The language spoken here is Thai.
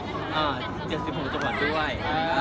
๗๖จังหวัดทุกวัย